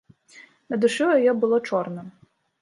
На душы ў яе было чорна.